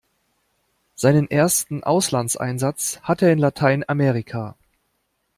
Seinen ersten Auslandseinsatz hat er in Lateinamerika.